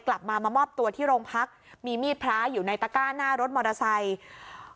กลับมามามอบตัวที่โรงพักมีมีดพระอยู่ในตะก้าหน้ารถมอเตอร์ไซค์